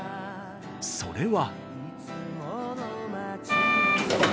それは。